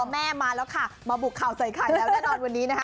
แม่มาแล้วค่ะมาบุกข่าวใส่ไข่แล้วแน่นอนวันนี้นะคะ